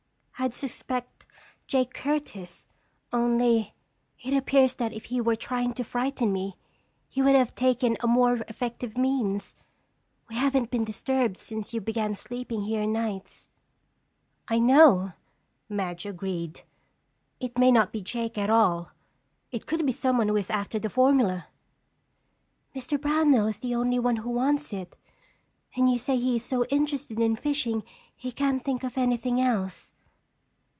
I'd suspect Jake Curtis only it appears that if he were trying to frighten me, he would have taken a more effective means. We haven't been disturbed since you began sleeping here nights." "I know," Madge agreed. "It may not be Jake at all. It could be someone who is after the formula." "Mr. Brownell is the only one who wants it and you say he is so interested in fishing he can't think of anything else."